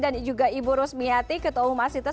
dan juga ibu rusmiati ketua umar situs